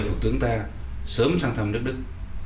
thủ tướng ta sớm sang thăm nước đức